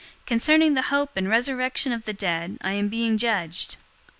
Concerning the hope and resurrection of the dead I am being judged!"